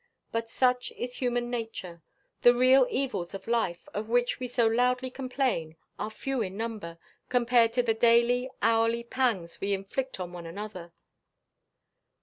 But such is human nature. The real evils of life, of which we so loudly complain, are few in number, compared to the daily, hourly pangs we inflict on one another.